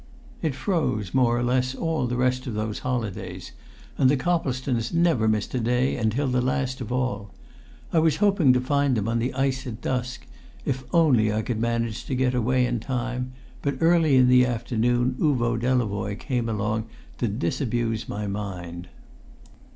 It froze, more or less, all the rest of those holidays, and the Coplestones never missed a day until the last of all. I was hoping to find them on the ice at dusk, if only I could manage to get away in time, but early in the afternoon Uvo Delavoye came along to disabuse my mind.